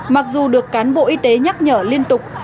mặc dù được cán bộ y tế nhắc nhở liên tục